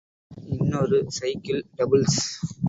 இன்னொரு cycle, doubles.